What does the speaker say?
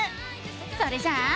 それじゃあ。